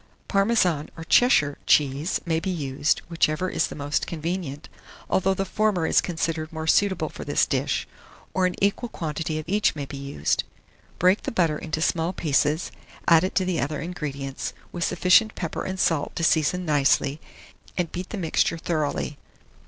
Parmesan or Cheshire cheese may be used, whichever is the most convenient, although the former is considered more suitable for this dish; or an equal quantity of each may be used. Break the butter into small pieces, add it to the other ingredients, with sufficient pepper and salt to season nicely, and beat the mixture thoroughly.